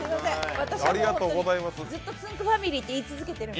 私はずっとつんく♂ファミリーって言い続けてるので。